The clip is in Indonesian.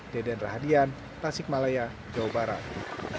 deden rahadian tasikmalaya jawa barat